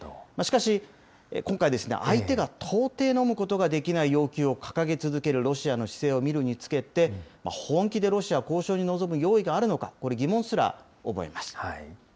しかし、今回、アイデアが到底のむことができない要求を掲げ続けるロシアの姿勢を見るにつけて、本気でロシア、交渉に臨む用意があるのか、これ、疑問すら思います。